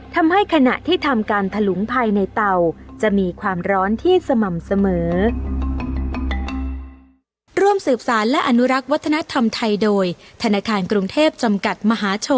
ทำให้ขณะที่ทำการถลุงภัยในเตาจะมีความร้อนที่สม่ำเสมอ